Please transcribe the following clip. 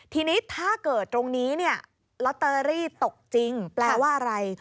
ทีนี้ถ้าเกิดตรงนี้เนี่ยลอตเตอรี่ตกจริงแปลว่าอะไร